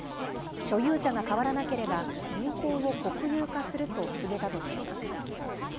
所有者が変わらなければ、銀行を国有化すると告げたとしています。